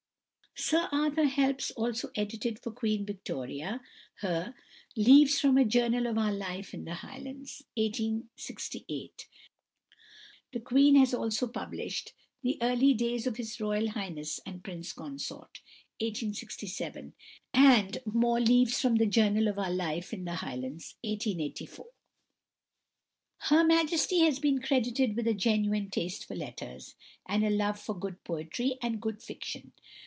Sir Arthur Helps also edited for =Queen Victoria (1819 )= her "Leaves from a Journal of our Life in the Highlands" (1868). The Queen has also published "The Early Days of His Royal Highness the Prince Consort" (1867), and "More Leaves from the Journal of our Life in the Highlands" (1884). Her Majesty has been credited with a genuine taste for letters, and a love for good poetry and good fiction.